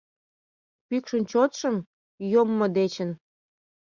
Пӱкшын чотшым, йоммо дечын